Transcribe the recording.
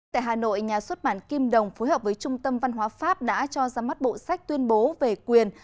tại hà nội nhà xuất bản kim đồng phối hợp với trung tâm văn hóa pháp đã cho ra mắt bộ sách tuyên bố về quyền